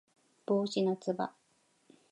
帽子のつば